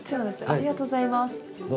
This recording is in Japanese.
ありがとうございます。